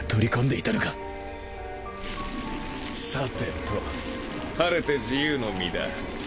さてと晴れて自由の身だ。